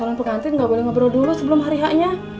salam pengantin gak boleh ngobrol dulu sebelum hari haknya